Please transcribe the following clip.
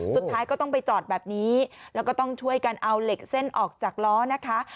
สุดท้ายก็ต้องไปจอดแบบนี้แล้วก็ต้องช่วยกันเอาเหล็กเส้นออกจากล้อนะคะ